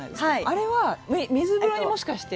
あれは、水風呂にもしかして？